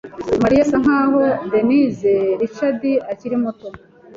Mariya asa nkaho Denise Richards akiri muto.